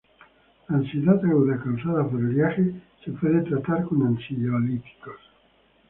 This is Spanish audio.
La ansiedad aguda causada por el viaje se puede tratar con ansiolíticos.